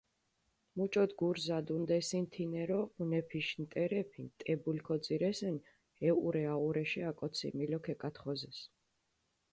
მუჭოთ გურს ზადუნდესინ თინერო მუნეფიშ ნტერეფი ნტებული ქოძირესინ, ეჸურე-აჸურეშე, აკოციმილო ქეკათხოზეს.